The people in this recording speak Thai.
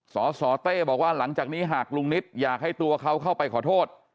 สสเต้บอกว่าหลังจากนี้หากลุงนิตอยากให้ตัวเขาเข้าไปขอโทษ